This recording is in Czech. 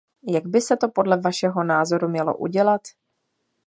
Jak by se to podle vašeho názoru mělo udělat?